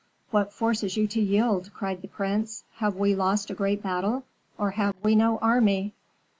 "What forces you to yield?" cried the prince. "Have we lost a great battle, or have we no army?"